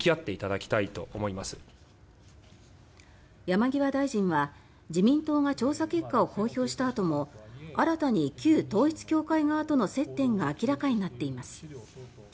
山際大臣は、自民党が調査結果を公表した後も新たに旧統一教会側との接点が明らかになっています。